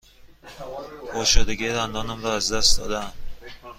پرشدگی دندانم را از دست داده ام.